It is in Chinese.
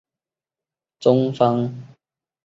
中方将为从坦桑尼亚采购的不足额部分支付现金。